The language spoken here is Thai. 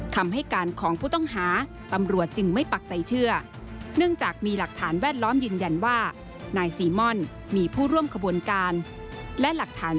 คำให้การของผู้ต้องหาตำรวจจึงไม่ปักใจเชื่อ